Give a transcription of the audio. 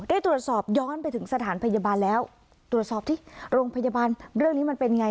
ได้ตรวจสอบย้อนไปถึงสถานพยาบาลแล้วตรวจสอบที่โรงพยาบาลเรื่องนี้มันเป็นไง